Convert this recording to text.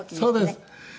そうです。